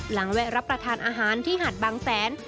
แวะรับประทานอาหารที่หาดบางแสน